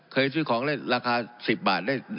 เคยซื้อของราคา๑๐บาทได้๑ชิ้น